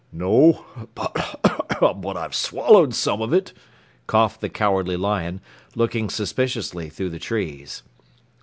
"No, but I've swallowed some of it," coughed the Cowardly Lion, looking suspiciously through the trees.